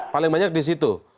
paling banyak di situ